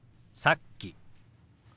「さっき」。